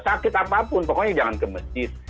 sakit apapun pokoknya jangan ke masjid